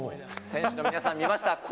選手の皆さん、見ました？